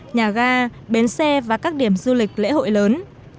nhà ga bến xe và các điểm du lịch lễ hội lớn